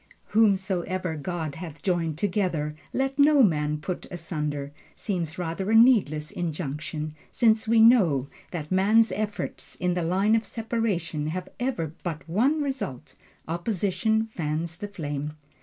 "Whomsoever God hath joined together, let no man put asunder," seems rather a needless injunction, since we know that man's efforts in the line of separation have ever but one result: opposition fans the flame.